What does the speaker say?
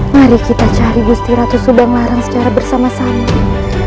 mari kita cari gustiratu subang larang secara bersama sama